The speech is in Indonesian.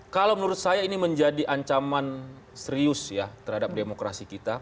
kalau menurut saya ini menjadi ancaman serius ya terhadap demokrasi kita